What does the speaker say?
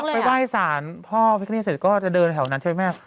ไปว่ายศาลพ่อพิษภาษานี้เสร็จก็จะเดินแถวนั้นใช่ไหมแม่